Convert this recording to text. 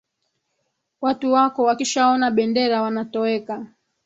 Watu wako wakishaona bendera, wanatoweka.